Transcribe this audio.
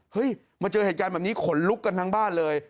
มาเจอเหตุการณ์แบบนี้ขนลุกกันทั้งบ้านเลย